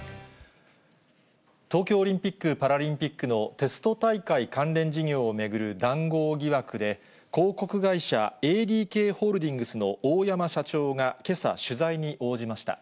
東京オリンピック・パラリンピックのテスト大会関連事業を巡る談合疑惑で、広告会社、ＡＤＫホールディングスのおおやま社長がけさ、取材に応じました。